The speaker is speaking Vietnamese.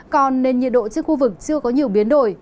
còn nền nhiệt độ trên khu vực chưa có nhiều biến đổi